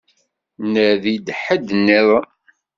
Nadi-d ḥedd-nniḍen.